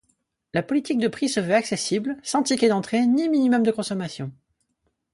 La politique de prix se veut accessible, sans ticket d'entrée ni minimum de consommation.